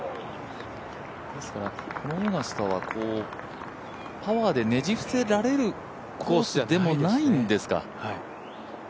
ですから、このオーガスタはパワーでねじ伏せられるコースでもないんですか。